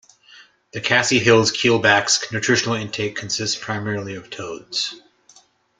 The Khasi Hills keelback's nutritional intake consists primarily of toads.